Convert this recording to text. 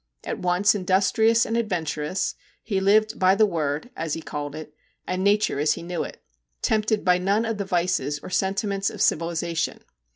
At once industrious and adventurous, he lived by 'the Word/ as he called it, and Nature as he knew it tempted by none of the vices or sentiments of civilisa tion.